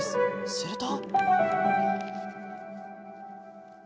すると。